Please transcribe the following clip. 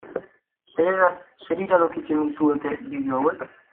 Zer iradokitzen dizuete bideo hauek?